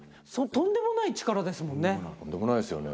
とんでもないですよね。